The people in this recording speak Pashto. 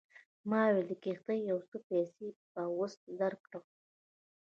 ما وویل د کښتۍ یو څه پیسې به اوس درکړم.